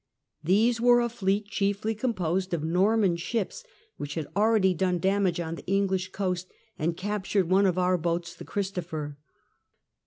These were a fleet chiefly composed of Norman ships which had already done damage on the English coast and captured one of our boats the Christopher.